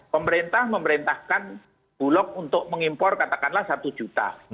pemerintah memerintahkan bulog untuk mengimpor katakanlah satu juta